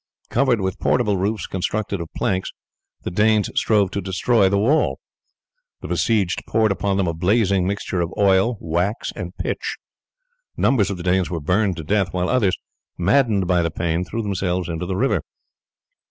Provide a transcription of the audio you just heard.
Covered with portable roofs constructed of planks the Danes strove to destroy the wall. The besieged poured upon them a blazing mixture of oil, wax, and pitch. Numbers of the Danes were burned to death, while others, maddened by the pain, threw themselves into the river.